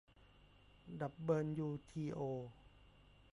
ดับเบิลยูทีโอ